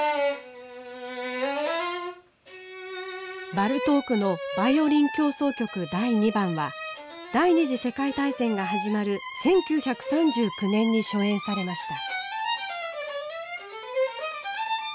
バルトークの「バイオリン協奏曲第２番」は第２次世界大戦が始まる１９３９年に初演されました。